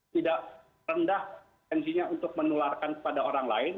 tidak rendah tensinya untuk menularkan kepada orang lain